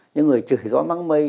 những người chửi gió mắng mây